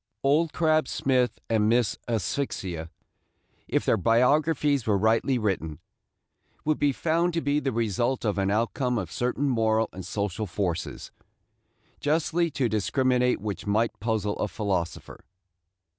Old Crab Smith and Miss Asphyxia, if their biographies were rightly written, would be found to be the result and out come of certain moral and social forces, justly to discriminate which might puzzle a philosopher.